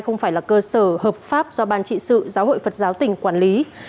không phải là cơ sở hợp pháp do ban trị sự giáo hội phật giáo tỉnh quản lý